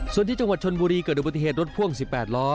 ส่วนที่จังหวัดชนบุรีเกิดอุบัติเหตุรถพ่วง๑๘ล้อ